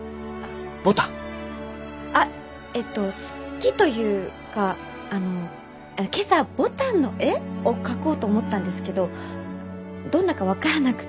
あっえっと好きというかあの今朝牡丹の絵？を描こうと思ったんですけどどんなか分からなくて。